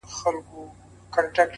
• انصاف نه دی ترافیک دي هم امام وي,